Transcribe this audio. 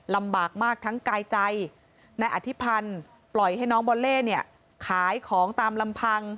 ลำบากมากทั้งกายใจนายอธิพันธ์ปล่อยให้น้องบอลเล่เนี่ยขายของตามลำพัง